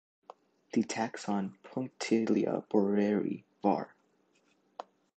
The taxon "Punctelia borreri" var.